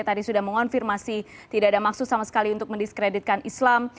tadi sudah mengonfirmasi tidak ada maksud sama sekali untuk mendiskreditkan islam